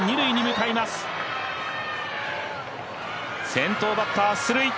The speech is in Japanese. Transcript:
先頭バッター出塁。